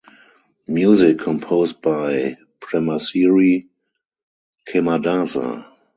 Music composed by Premasiri Khemadasa.